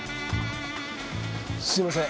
すいません